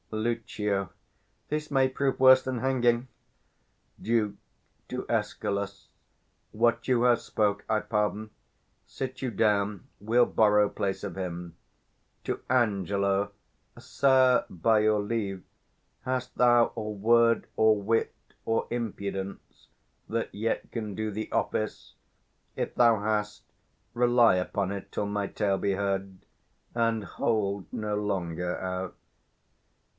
Lucio. This may prove worse than hanging. Duke. [To Escalus] What you have spoke I pardon: sit you down: We'll borrow place of him. [To Angelo] Sir, by your leave. 360 Hast thou or word, or wit, or impudence, That yet can do thee office? If thou hast, Rely upon it till my tale be heard, And hold no longer out.